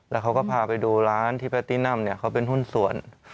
แล้วเขาก็พาไปดูร้านที่แพตติ้นัมเนี่ยเขาเป็นหุ้นส่วน